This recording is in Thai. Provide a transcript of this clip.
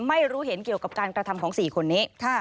ไม่รู้เห็นเกี่ยวกับการกระทำของ๔คนนี้